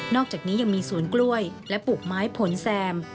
อกจากนี้ยังมีสวนกล้วยและปลูกไม้ผลแซม